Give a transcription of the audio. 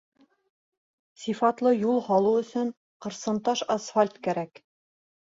Сифатлы юл һалыу өсөн ҡырсынташ, асфальт кәрәк.